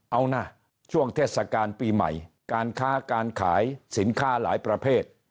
เอานะช่วงเทศกาลปีใหม่การค้าการขายสินค้าหลายประเภท